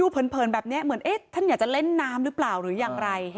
ดูเพลินแบบเนี้ยเหมือนเอ๊ะท่านอยากจะเล่นน้ำหรือเปล่าหรือยังไร